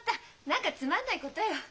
何かつまんないことよ。